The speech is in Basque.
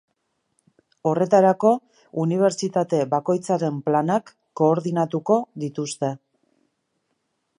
Horretarako, unibertsitate bakoitzaren planak koordinatuko dituzte.